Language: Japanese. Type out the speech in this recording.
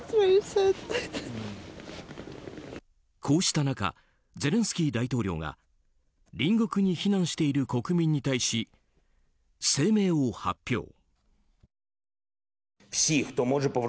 こうした中ゼレンスキー大統領が隣国に避難している国民に対し声明を発表。